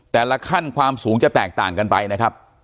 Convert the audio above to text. แต่ละขั้นความสูงจะแตกต่างกันไปนะครับ